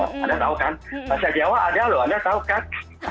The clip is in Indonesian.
anda tahu kan bahasa jawa ada loh anda tahu kak